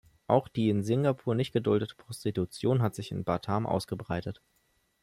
Auch die in Singapur nicht geduldete Prostitution hat sich in Batam ausgebreitet.